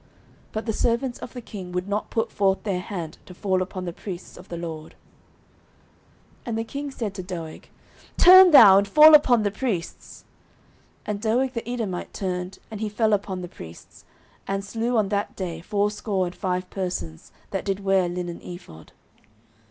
But the servants of the king would not put forth their hand to fall upon the priests of the LORD. 09:022:018 And the king said to Doeg, Turn thou, and fall upon the priests. And Doeg the Edomite turned, and he fell upon the priests, and slew on that day fourscore and five persons that did wear a linen ephod.